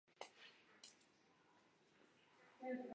民国二十八年卒。